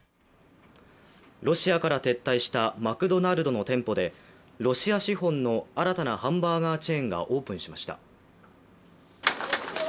ロシアから撤退したマクドナルドの店舗でロシア資本の新たなハンバーガーチェーンがオープンしました。